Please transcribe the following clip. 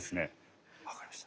分かりました。